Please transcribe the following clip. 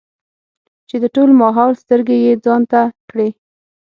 چې د ټول ماحول سترګې يې ځان ته کړې ـ